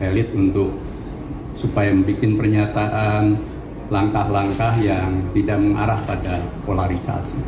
elit untuk supaya membuat pernyataan langkah langkah yang tidak mengarah pada polarisasi